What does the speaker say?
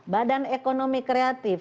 badan ekonomi kreatif